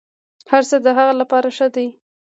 هرڅه د هغه لپاره ښه دي.